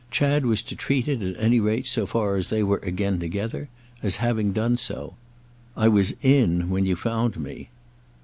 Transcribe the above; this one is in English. Chad was to treat it, at any rate, so far as they were again together, as having done so. "I was 'in' when you found me."